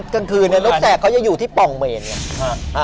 กลางคืนตอนนี้นกแสกจะอยู่ที่ป่องเมนด์